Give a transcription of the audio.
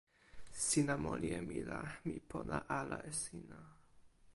sina moli e mi la, mi pona ala e sina.